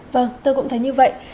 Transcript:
vâng tôi cũng thấy như vậy